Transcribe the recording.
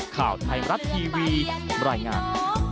ข่าวไทยรัตน์ทีวีบร่ายงาน